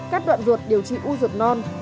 cắt đoạn ruột điều trị u ruột non